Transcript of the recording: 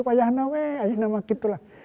kayaknya weh hanya nama gitu lah